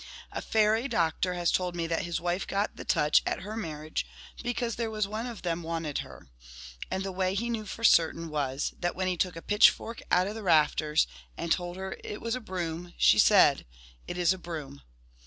A faery doctor has told me that his wife ' got the touch ' at her marriage because there was one of them wanted her; and the way he knew for certain was, that when he took a pitchfork out of the rafters, and told her it was a broom, she said, * It is a broom.